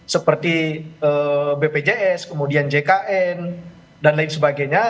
seperti bpjs kemudian jkn dan lain sebagainya